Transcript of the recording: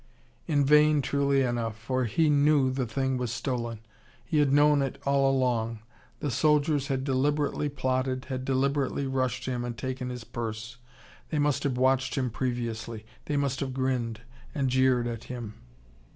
In vain, truly enough. For he knew the thing was stolen. He had known it all along. The soldiers had deliberately plotted, had deliberately rushed him and taken his purse. They must have watched him previously. They must have grinned, and jeered at him.